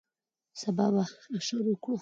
سبا به اشر وکړو